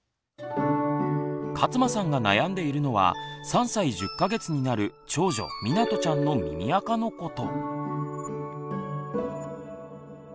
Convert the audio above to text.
勝間さんが悩んでいるのは３歳１０か月になる長女みなとちゃんの耳あかのこと。